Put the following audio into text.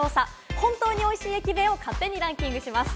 本当においしい駅弁を勝手にランキングします。